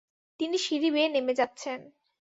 তিনি সিঁড়ি বেয়ে নেমে যাচ্ছেন।